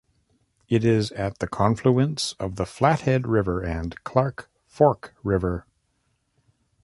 It is at the confluence of the Flathead River and Clark Fork River.